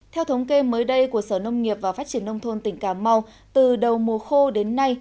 theo thống kê mới đây của sở nông nghiệp và phát triển nông thôn tỉnh cà mau từ đầu mùa khô đến nay